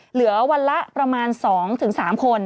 เหลือวันละประมาณ๒๓คน